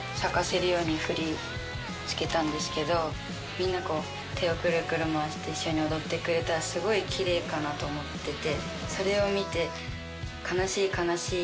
みんなで手をこう、クルクル回して一緒に踊ってくれたらすごいきれいかなと思ってて。